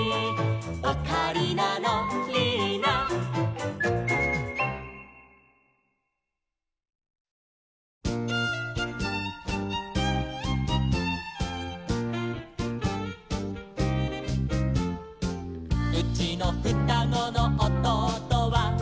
「オカリナのリーナ」「うちのふたごのおとうとは」